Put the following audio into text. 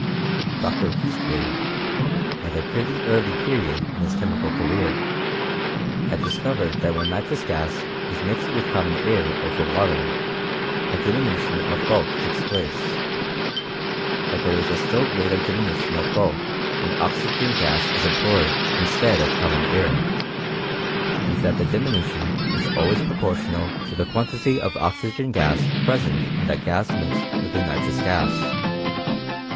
Dr. Priestley, at a pretty early period of his W mmical career, had discovered that when nitrous gas ■r ti nixed with common air over water, a diminution of ''' fmlk takes place ; that there ia a still greater diminu tion of bulk when oxygen gas ia employed instead of conunon air ; and that the diminution is always pro portional to the quantity of oxygen gas present in the tgu mixed with the nitrous gaa.